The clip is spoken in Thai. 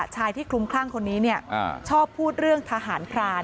ชายที่คลุมคลั่งคนนี้ชอบพูดเรื่องทหารพราน